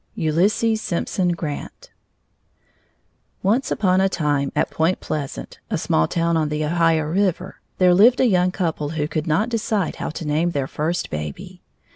ULYSSES SIMPSON GRANT Once upon a time, at Point Pleasant, a small town on the Ohio River, there lived a young couple who could not decide how to name their first baby.